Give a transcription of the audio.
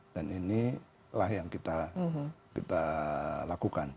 dan inilah yang kita lakukan